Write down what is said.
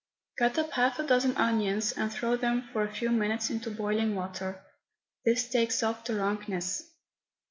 Cut up half a dozen onions and throw them for a few minutes into boiling water. This takes off the rankness.